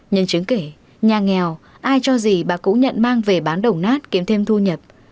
nhân chứng kể nhà nghèo ai cho gì bà cũng nhận mang về bán đồng nát kiếm thêm thu nhập